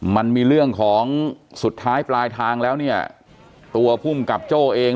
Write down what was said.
มันมีเรื่องของสุดท้ายปลายทางแล้วเนี่ยตัวภูมิกับโจ้เอง